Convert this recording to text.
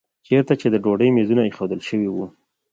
چېرته چې د ډوډۍ میزونه ایښودل شوي وو.